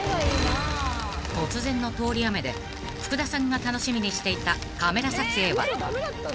［突然の通り雨で福田さんが楽しみにしていたカメラ撮影は急きょ中止］